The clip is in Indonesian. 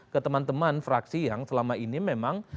ke teman teman fraksi yang selama ini memang